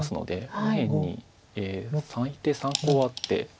右辺に最低３コウあって。